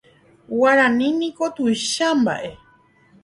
Guarani niko tuicha mbaʼe.